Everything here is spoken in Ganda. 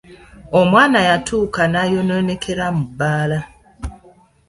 Omwana yatuuka n'ayonoonekera mu bbaala.